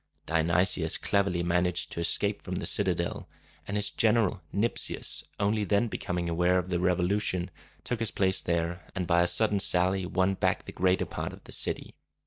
Dionysius cleverly managed to escape from the citadel; and his general, Nyp´sius, only then becoming aware of the revolution, took his place there, and by a sudden sally won back the greater part of the city.